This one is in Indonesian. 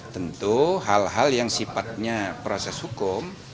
tentu hal hal yang sifatnya proses hukum